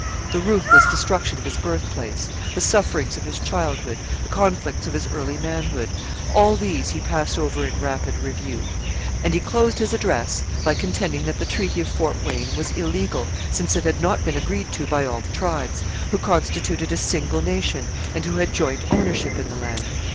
The ruthless destruction of his birthplace, the sufferings of his childhood, the conflicts of his early manhood all these he passed over in rapid review. And he closed his address by contending that the Treaty of Fort Wayne was illegal, since it had not been agreed to by all the tribes, who constituted a single nation and who had joint ownership in the land.